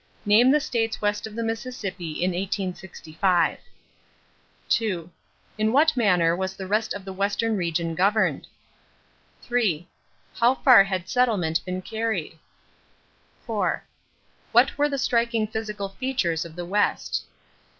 Name the states west of the Mississippi in 1865. 2. In what manner was the rest of the western region governed? 3. How far had settlement been carried? 4. What were the striking physical features of the West?